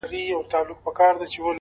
وخت د ارمانونو ریښتینولي څرګندوي؛